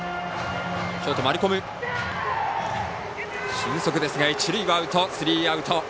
俊足ですが一塁はアウトでスリーアウト。